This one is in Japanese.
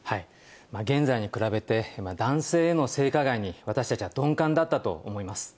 現在に比べて、男性への性加害に私たちは鈍感だったと思います。